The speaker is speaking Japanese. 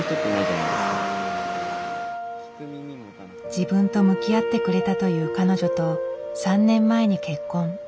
自分と向き合ってくれたという彼女と３年前に結婚。